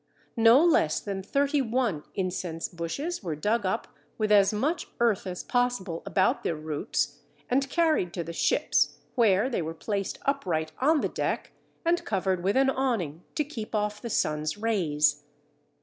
No less than thirty one incense bushes were dug up with as much earth as possible about their roots, and carried to the ships, where they were placed upright on the deck and covered with an awning to keep off the sun's rays.